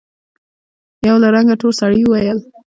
يوه له رنګه تور سړي وويل: صېب!